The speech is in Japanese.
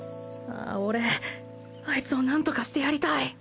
俺アイツをなんとかしてやりたい！